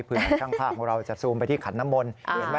เพื่อให้ช่างภาคของเราจะซูมไปที่ขันนมนต์